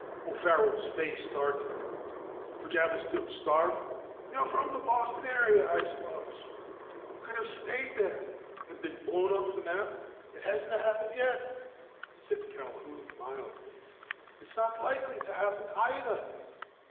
O'Farrell's face darkened. "What'd yuh have us do? Starve?" "You're from the Boston area, I suppose. You could have stayed there." "And been blown off the map!" "It hasn't happened yet," said Culquhoun mildly. "It's not likely to happen, either.